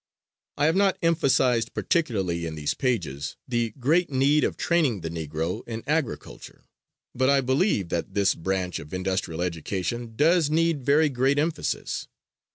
I have not emphasized particularly in these pages the great need of training the Negro in agriculture, but I believe that this branch of industrial education does need very great emphasis.